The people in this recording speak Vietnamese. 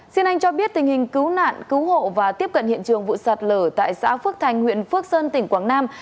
xin anh cho biết tình hình cứu nạn cứu hộ và tiếp cận hiện trường vụ sạt lở tại xã phước thành huyện phước sơn tỉnh quảng nam